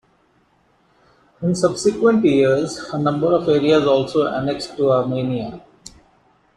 In subsequent years, a number of areas also annexed to Armenia.